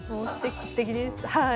すてきですはい。